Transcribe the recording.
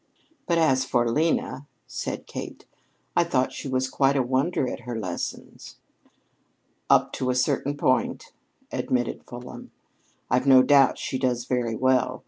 "But as for Lena," said Kate, "I thought she was quite a wonder at her lessons." "Up to a certain point," admitted Fulham, "I've no doubt she does very well.